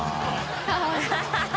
ハハハ